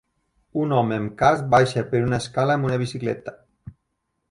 Un home amb casc baixa per una escala amb una bicicleta.